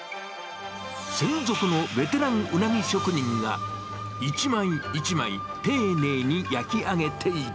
専属のベテランうなぎ職人が、一枚一枚ていねいに焼き上げていた。